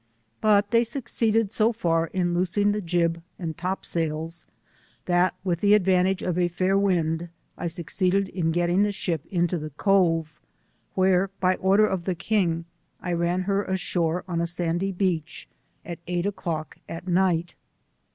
But they succeeded so far la loosing the jib and top sails, that, with the advan tage of fair wind, I succeeded in getting the ship into the Cove, where, by'order of the king, I ran her ashore on a sandy beach, at eight o'^clock at night.